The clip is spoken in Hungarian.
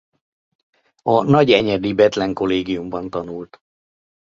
A nagyenyedi Bethlen-kollégiumban tanult.